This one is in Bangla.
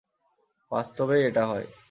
বাস্তবেই এটা হয়।